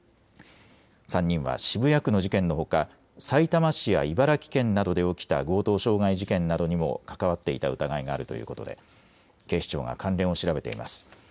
３人は渋谷区の事件のほかさいたま市や茨城県などで起きた強盗傷害事件などにも関わっていた疑いがあるということで警視庁が関連を調べています。